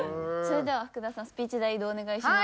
それでは福田さんスピーチ台へ移動お願いします。